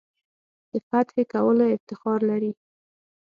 د فتح کولو افتخار لري.